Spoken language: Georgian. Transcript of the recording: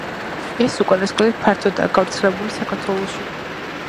ეს უკანასკნელი ფართოდაა გავრცელებული საქართველოში.